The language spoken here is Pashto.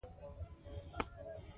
تاسو هم باید بدل شئ.